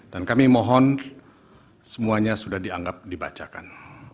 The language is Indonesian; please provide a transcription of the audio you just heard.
dan kami mohon semuanya sudah dianggap dibacakan